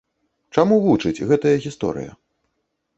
Чаму вучыць гэтая гісторыя?